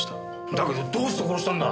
だけどどうして殺したんだ？